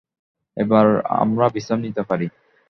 এবার আমরা বিশ্রাম নিতে পারি।